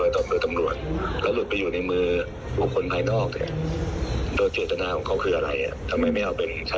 จะคิดเป็นเจตนาอย่างอื่น